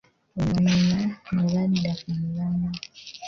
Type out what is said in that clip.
Oluvannyuma ne badda ku mulamwa.